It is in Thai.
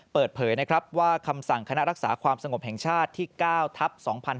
เปิดเผยนะครับว่าคำสั่งคณะรักษาความสงบแห่งชาติที่๙ทัพ๒๕๕๙